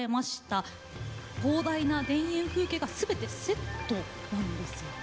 広大な田園風景が全てセットなんですよね。